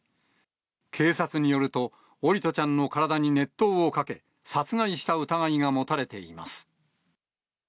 警察によると、桜利斗ちゃんの体に熱湯をかけ、殺害した疑いが持たれています。